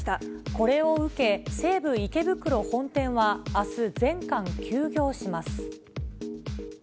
これを受け、西武池袋本店はあす、全館休業します。